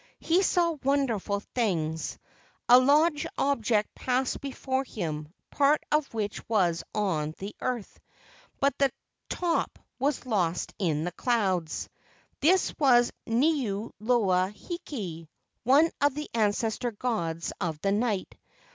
He saw wonderful things. A long object passed before him, part of which was on the earth, but the top was lost in the clouds. This was Niu loa hiki, one of the ancestor gods of the night.